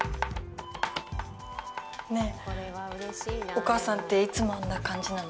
おかあさんっていつもあんな感じなの？